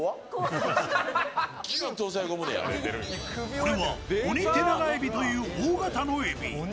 これはオニテナガエビという大型のエビ。